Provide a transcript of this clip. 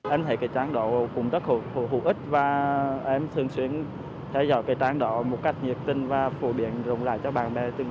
em thấy cái trang đó cũng rất hữu ích và em thường xuyên theo dõi cái trang đó một cách nhiệt tình và phổ biến rộng lại cho bạn bè